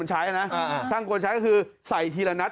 ใช้นะช่างควรใช้ก็คือใส่ทีละนัด